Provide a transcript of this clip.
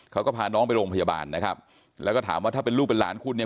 เขาก็พาน้องไปโรงพยาบาลนะครับแล้วก็ถามว่าถ้าเป็นลูกเป็นหลานคุณเนี่ย